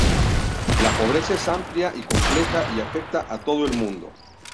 La pobreza es amplia y compleja y afecta a todo el mundo.